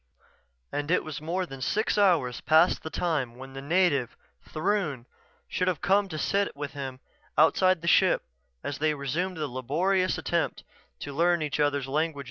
And it was more than six hours past the time when the native, Throon, should have come to sit with him outside the ship as they resumed the laborious attempt to learn each other's language.